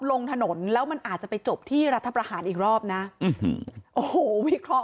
ลงถนนแล้วมันอาจจะไปจบที่รัฐประหารอีกรอบนะโอ้โหวิเคราะห